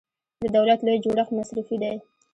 د دولت لوی جوړښت مصرفي دی.